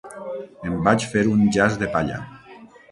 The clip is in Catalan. Em vaig fer un jaç de palla.